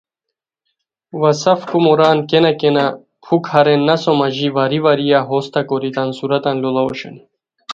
وا سف کوموران کینہ کینہ پُھک ہارین نسو ماژی واری واریہ ہوستہ کوری تان صورتان لوڑاؤ اوشونی